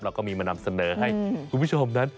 เราก็มีมานำเสนอให้คุณผู้ชมนั้น